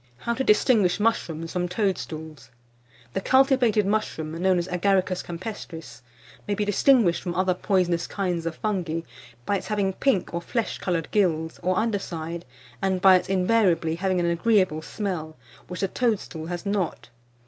HOW TO DISTINGUISH MUSHROOMS FROM TOADSTOOLS. The cultivated mushroom, known as Agaricus campestris, may be distinguished from other poisonous kinds of fungi by its having pink or flesh coloured gills, or under side, and by its invariably having an agreeable smell, which the toadstool has not.